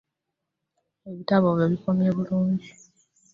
Ebitabo byo bikuume bulungi.